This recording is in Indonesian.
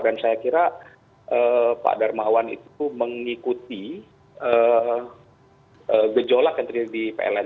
dan saya kira pak darmawan itu mengikuti gejolak yang terjadi di pln